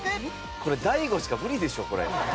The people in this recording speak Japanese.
これＤＡＩＧＯしか無理でしょこれ。